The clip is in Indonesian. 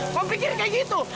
kamu pikir kayak gitu